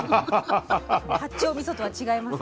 八丁みそとは違います？